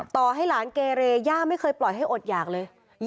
ต่อให้หลานเกเรย่าไม่เคยปล่อยให้อดหยากเลย